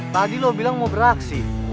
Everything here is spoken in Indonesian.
tadi lo bilang mau beraksi